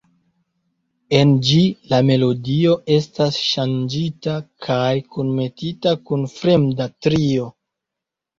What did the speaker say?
En ĝi la melodio estas ŝanĝita kaj kunmetita kun fremda trio.